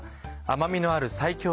甘みのある西京